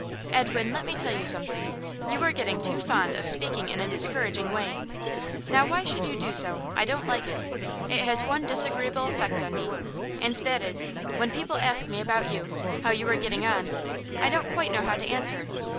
'Edwin, let me tell you something. You are getting too fond of speaking in a discouraging way. Now, why should you do so? I don't like it. It has one disagreeable effect on me, and that is, when people ask me about you, how you are getting on, I don't quite know how to answer.